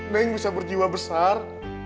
neng bisa berjiwa besar